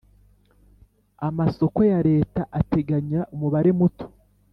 amasoko ya Leta ateganya umubare muto.